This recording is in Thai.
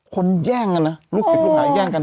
คนแย่งกันนะลูกศิษย์ลูกหาแย่งกัน